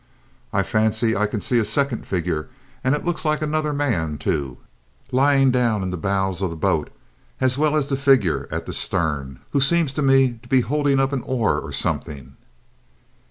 "I fancy I can see a second figure, and it looks like another man, too, lying down in the bows of the boat, as well as the figure at the stern, who seems to me to be holding up an oar or something!"